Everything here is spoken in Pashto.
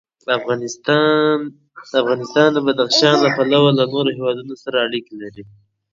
افغانستان د بدخشان له پلوه له نورو هېوادونو سره اړیکې لري.